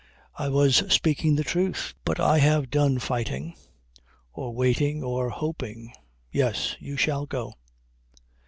I was speaking the truth. But I have done fighting, or waiting, or hoping. Yes. You shall go."